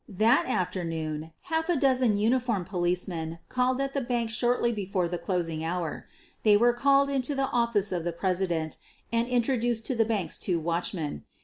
That afternoon half a dozen uniformed police men called at the bank shortly before the closing 178 SOPHIE LYONS hour. They were called into the office of the presi dent and introduced to the bank's two watchmen.